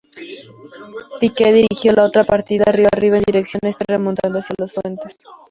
Pike dirigió la otra partida río arriba, en dirección oeste, remontando hacia las fuentes.